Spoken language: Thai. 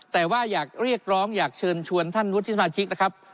แต่ว่าอยากเรียกร้องอยากเชิญชวนท่านวุฒิสมาชิกนะครับ